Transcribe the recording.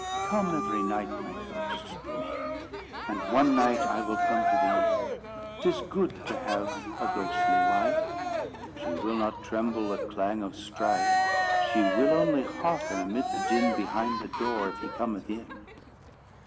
"Come every night, my ghost, to me; And one night I will come to thee. 'Tis good to have a ghostly wife: She will not tremble at clang of strife; She will only hearken, amid the din, Behind the door, if he cometh in."